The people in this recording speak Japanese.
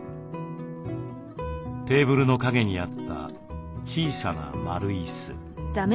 テーブルの陰にあった小さな丸椅子。